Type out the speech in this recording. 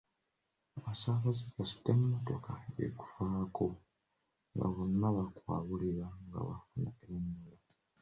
Abasaabaze kasita emmotoka ekufaako nga bonna bakwabulira nga bafuna endala.